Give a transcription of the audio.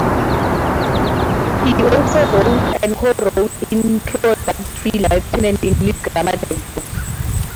He also wrote and co-wrote introductory Latin and English grammar text books.